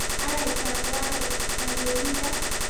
ایا چاغوالی ناروغي ده؟